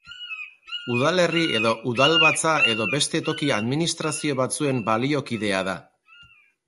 Udalerri edo udalbatza edo beste toki administrazio batzuen baliokidea da.